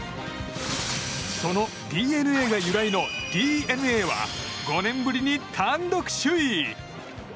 そのＤＮＡが由来のＤｅＮＡは５年ぶりに単独首位。